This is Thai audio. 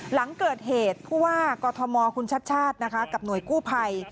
หลังเกิดเหตุเพราะว่ากอทมคุณชัดกับหน่วยกู้ภัย